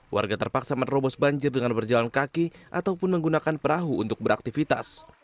warga terpaksa menerobos banjir dengan berjalan kaki ataupun menggunakan perahu untuk beraktivitas